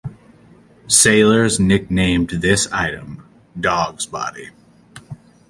Sailors nicknamed this item "dog's body".